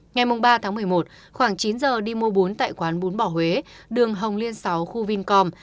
ngày ba một mươi một khoảng chín giờ đi mua bún tại quán bún bỏ huế đường hồng liên sáu khu vincom